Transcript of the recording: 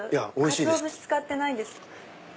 かつお節使ってないんです。